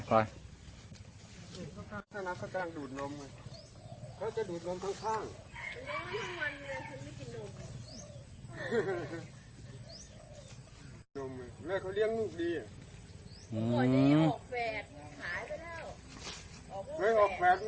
เขาจะดูดนมด้วยข้าง